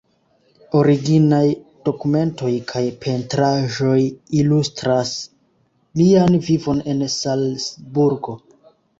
Originaj dokumentoj kaj pentraĵoj ilustras lian vivon en Salzburg.